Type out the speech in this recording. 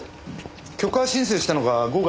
許可申請したのが５月。